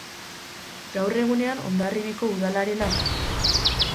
Gaur egunean Hondarribiko Udalarena da.